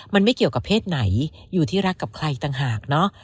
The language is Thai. มันไม่เกี่ยวกับเพศไหนอยู่ที่รักกับใครต่างหากเนอะ